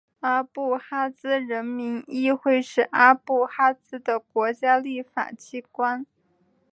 阿布哈兹人民议会是阿布哈兹的国家立法机关。